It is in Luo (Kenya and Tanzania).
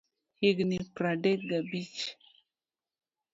Higni pradek ga abich.